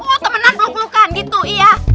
oh temenan peluk pelukan gitu iya